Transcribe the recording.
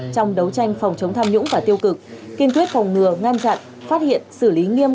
trong đấu tranh phòng chống tham nhũng và tiêu cực kiên quyết phòng ngừa ngăn chặn phát hiện xử lý nghiêm